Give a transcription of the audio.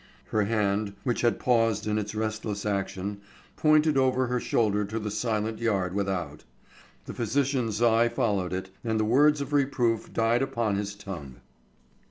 Her hand, which had paused in its restless action, pointed over her shoulder to the silent yard without. The physician's eye followed it, and the words of reproof died upon his tongue.